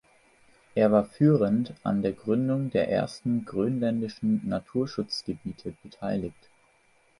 Er war führend an der Gründung der ersten grönländischen Naturschutzgebiete beteiligt.